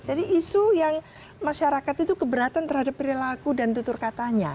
isu yang masyarakat itu keberatan terhadap perilaku dan tutur katanya